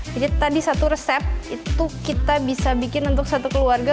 jadi tadi satu resep itu kita bisa bikin untuk satu keluarga